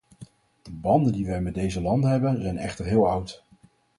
De banden die wij met deze landen hebben, zijn echter heel oud.